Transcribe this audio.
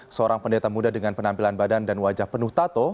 seorang pendeta muda dengan penampilan badan dan wajah penuh tato